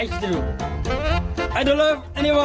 สกิดยิ้ม